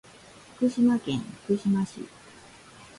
福島県福島市